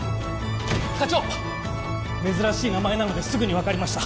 課長珍しい名前なのですぐに分かりました